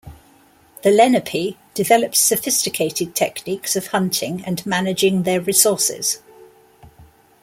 The Lenape developed sophisticated techniques of hunting and managing their resources.